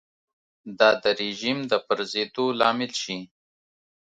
دا د رژیم د پرځېدو لامل شي.